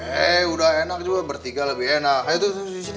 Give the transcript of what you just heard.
hei udah enak juga bertiga lebih enak ayo tuh disini sini